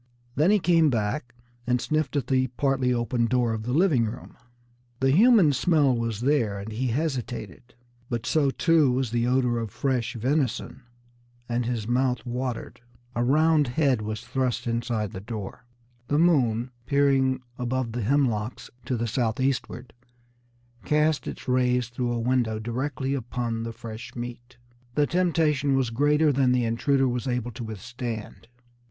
Then he came back and sniffed at the partly open door of the living room. The human smell was there, and he hesitated. But so, too, was the odor of fresh venison, and his mouth watered. A round head was thrust inside the door. The moon, peering above the hemlocks to the southeastward, cast its rays through a window directly upon the fresh meat. The temptation was greater than the intruder was able to withstand.